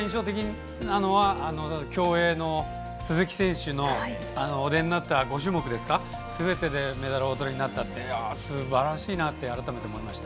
私が印象的なのは競泳の鈴木選手がお出になった５種目すべてでメダルをおとりになったってすばらしいなって改めて思いました。